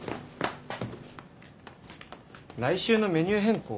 ・来週のメニュー変更？